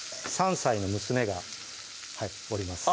３歳の娘がおります